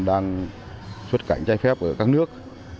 đang xuất cảnh che phép ở các nước